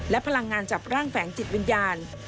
และพลังงานจับร่างแฝงจิตวิญญาณ